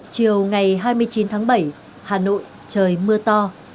chiều ngày hai mươi chín tháng bảy hà nội trời mưa to